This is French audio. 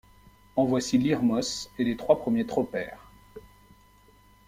En voici l'hirmos et les trois premiers tropaires.